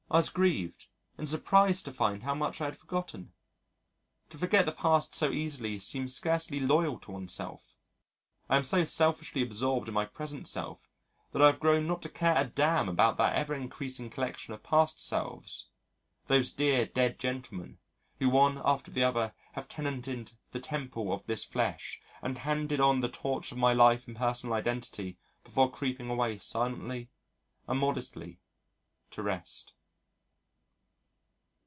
I was grieved and surprised to find how much I had forgotten. To forget the past so easily seems scarcely loyal to oneself. I am so selfishly absorbed in my present self that I have grown not to care a damn about that ever increasing collection of past selves those dear, dead gentlemen who one after the other have tenanted the temple of this flesh and handed on the torch of my life and personal identity before creeping away silently and modestly to rest.